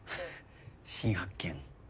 新発見。